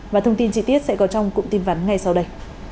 và thông tin chi tiết sẽ có trong cụm tin vắn ngay sau đây